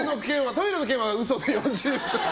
トイレの件は嘘でよろしいですか？